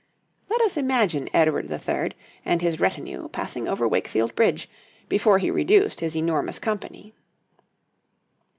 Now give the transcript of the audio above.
Let us imagine Edward III. and his retinue passing over Wakefield Bridge before he reduced his enormous company.